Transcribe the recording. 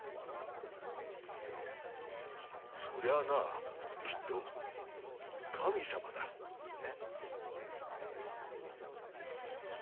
そりゃあなきっと神様だ。え？